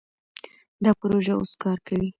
دا پروژه اوس کار کوي.